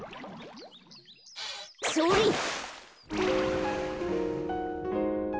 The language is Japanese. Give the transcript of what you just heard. それっ！